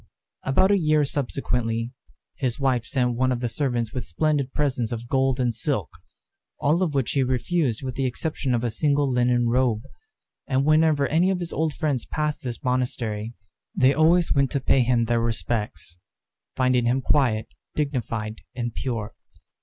About a year subsequently, his wife sent one of the servants with splendid presents of gold and silk, all of which he refused with the exception of a single linen robe. And whenever any of his old friends passed this monastery, they always went to pay him their respects, finding him quiet, dignified, and pure.